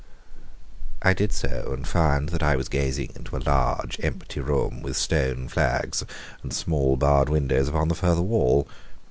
I did so, and found that I was gazing into a large, empty room, with stone flags, and small, barred windows upon the farther wall.